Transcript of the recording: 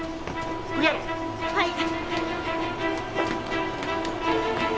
はい！